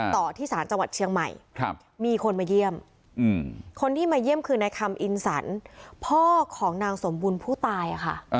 ต่อที่สารจังหวัดเชียงใหม่ครับมีคนมาเยี่ยมอืมคนที่มาเยี่ยมคือในคำอินสรรพ่อของนางสมบูรณ์ผู้ตายอะค่ะอ่า